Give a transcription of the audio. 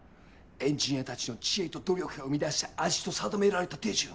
エンジニアたちの知恵と努力が生み出した味と定められた手順。